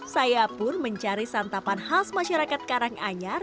saya pun mencari santapan khas masyarakat karanganyar